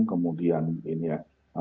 kemudian ini ya